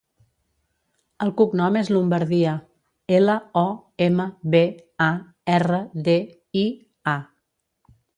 El cognom és Lombardia: ela, o, ema, be, a, erra, de, i, a.